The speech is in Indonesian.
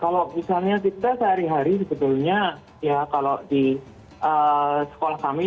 kalau misalnya kita sehari hari sebetulnya ya kalau di sekolah kami